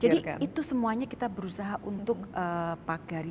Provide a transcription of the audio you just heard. jadi itu semuanya kita berusaha untuk pagari